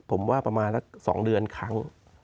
ผมว่าประมาณสัก๒เดือนครั้ง